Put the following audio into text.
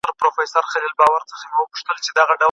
ایا واړه پلورونکي وچ زردالو اخلي؟